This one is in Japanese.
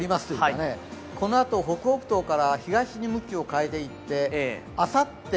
このあと、北北東から東に向きを変えていってあさって